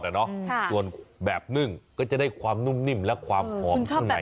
ส่วนแบบนึ่งก็จะได้ความนุ่มนิ่มและความหอมข้างใน